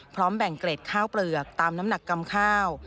แบ่งเกร็ดข้าวเปลือกตามน้ำหนักกำข้าว